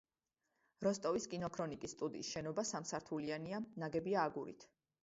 როსტოვის კინოქრონიკის სტუდიის შენობა სამსართულიანია, ნაგებია აგურით.